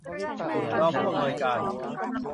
รองผู้อำนวยการ